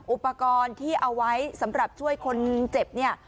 อุปกรณ์ที่เอาไว้สำหรับช่วยคนเจ็บเนี่ย